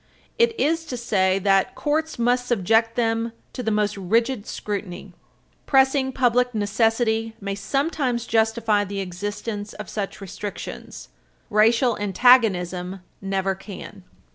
It is to say that courts must subject them to the most rigid scrutiny. Pressing public necessity may sometimes justify the existence of such restrictions; racial antagonism never can.